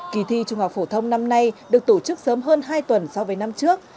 kỳ thi trung học phổ thông năm nay được tổ chức sớm hơn hai tuần so với năm trước